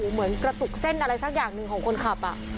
เหมือนกระตุกเส้นอะไรสักอย่างหนึ่งของคนขับ